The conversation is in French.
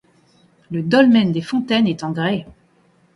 Le dolmen des Fontaines est en grès.